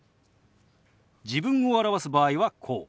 自分を表す場合はこう。